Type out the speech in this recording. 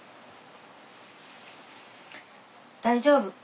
大丈夫。